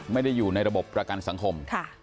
ไม่ได้อยู่ในระบบประกันสังคม